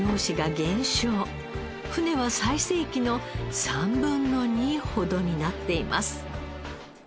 船は最盛期の３分の２ほどになっています。